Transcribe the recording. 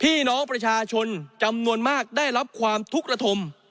พี่น้องประชาชนจำนวนมากได้รับความทุกข์ระทม